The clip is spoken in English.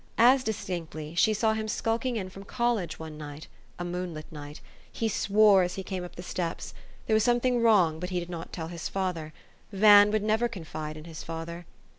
As distinctly, she saw him skulking in from col lege one night (a moonlit night) ; he swore as he came up the steps ; there was something wrong, but he did not tell his father. Van would never confide in his father.